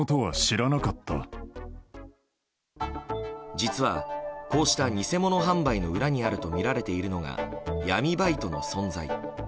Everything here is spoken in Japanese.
実は、こうした偽物販売の裏にあるとみられているのが闇バイトの存在。